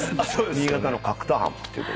新潟の角田浜っていうとこ。